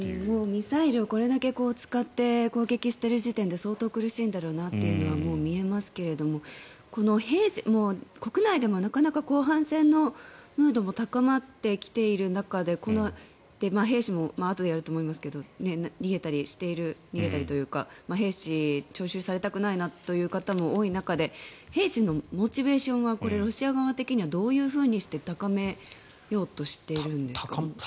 ミサイルをこれだけ使って攻撃している時点で相当苦しいんだろうなというのは見えますけど国内でもなかなか反戦のムードも高まってきている中で兵士も、あとでやると思いますが逃げたりしている逃げたりというか兵士、徴集されたくないなという人も多い中で兵士のモチベーションはロシア側的にはどういうふうにして高めようとしているんですか？